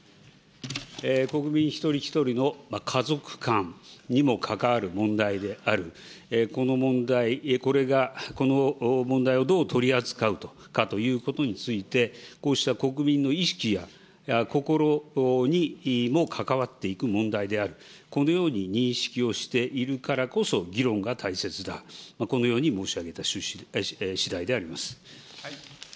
国民一人一人の家族観にも関わる問題である、この問題、これがこの問題をどう取り扱うかということについて、こうした国民の意識や心にも関わっていく問題である、このように認識をしているからこそ議論が大切だ、このように申し上げたしだいであります。